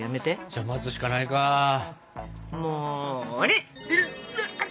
じゃあ待つしかないか。も。